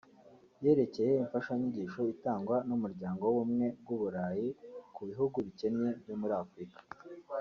yerekeye imfashanyo itangwa n’umuryango w’ubumwe bw’Uburayi ku bihugu bikennye byo muri Afurika